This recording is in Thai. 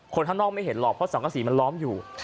คนข้างนอกไม่เห็นหรอกเพราะสังกษีมันล้อมอยู่